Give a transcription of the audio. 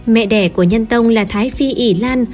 mẹ đẻ của nhân tông là thái phi ỉ lan